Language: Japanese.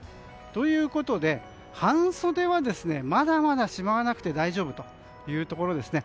ということで、半袖はまだまだしまわなくて大丈夫というところですね。